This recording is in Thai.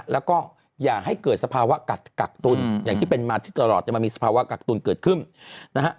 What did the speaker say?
แล้วก็อย่าให้เกิดสภาวะกักตุลอย่างที่เป็นมาที่ตลอดแต่มันมีสภาวะกักตุลเกิดขึ้นนะฮะ